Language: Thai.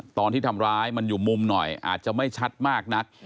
ตอนที่ทำร้ายมันอยู่มุมหน่อยอาจจะไม่ชัดมากนัก